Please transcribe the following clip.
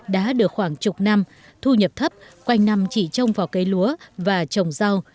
đã được khoảng chục năm thu nhập thấp quanh năm chỉ trông vào cây lúa và trồng rau